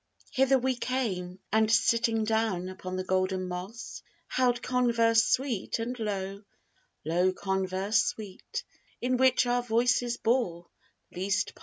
Hither we came, And sitting down upon the golden moss Held converse sweet and low low converse sweet, In which our voices bore least part.